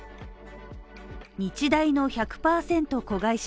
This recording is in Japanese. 日大の１００％子会社